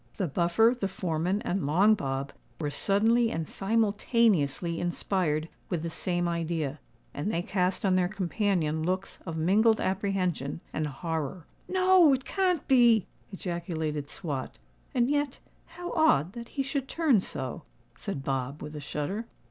The Buffer, the foreman, and Long Bob were suddenly and simultaneously inspired with the same idea; and they cast on their companion looks of mingled apprehension and horror. "No—it can't be!" ejaculated Swot. "And yet—how odd that he should turn so," said Bob, with a shudder.